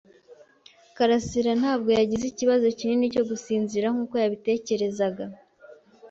karasira ntabwo yagize ikibazo kinini cyo gusinzira nkuko yabitekerezaga.